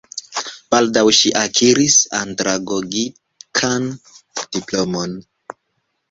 Baldaŭ ŝi akiris andragogikan diplomon.